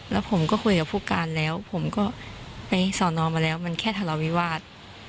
แล้วผมก็คุยกับผู้การแล้วผมก็ไปสอนอมาแล้วมันแค่ทะเลาวิวาส